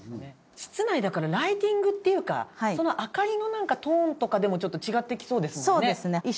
室内だからライティングっていうかその明かりのトーンとかでもちょっと違ってきそうですもんね。